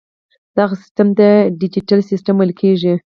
دغه سیسټم ته ډیجیټل سیسټم ویل کیږي.